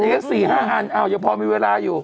เอาเจ้าพ่อมีเวลาอยู่